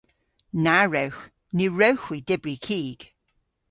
Na wrewgh. Ny wrewgh hwi dybri kig.